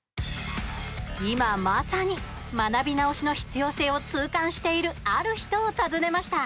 今まさに、学び直しの必要性を痛感しているある人を訪ねました。